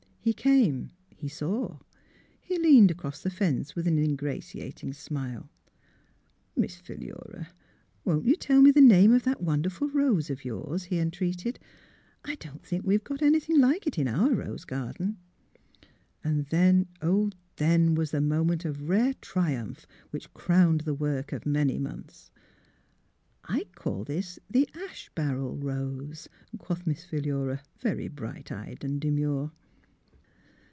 He came; he saw; he leaned across the fence with an ingratiat ing smile. Miss Philura, won't you tell me the name of that wonderful rose of yours? "he entreated. " I don't think we have anything like it in our rose garden." Then, oh, then was the moment of rare triumph which crowned the work of many months. '* I call this the ash barrel rose," quoth Miss Philura, very bright eyed and demure.